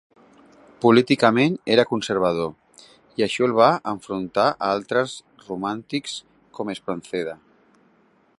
Políticament era conservador, i això el va enfrontar a altres romàntics com Espronceda.